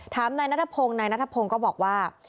นายนัทพงศ์นายนัทพงศ์ก็บอกว่า